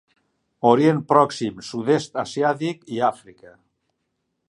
Orient Pròxim, Sud-est Asiàtic i Àfrica.